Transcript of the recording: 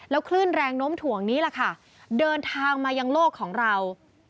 คลื่นแรงโน้มถ่วงนี้ล่ะค่ะเดินทางมายังโลกของเรา